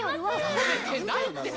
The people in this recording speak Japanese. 褒めてないって。